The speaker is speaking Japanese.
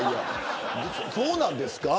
そうなんですか。